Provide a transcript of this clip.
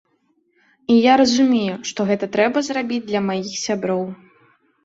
І я разумею, што гэта трэба зрабіць для маіх сяброў.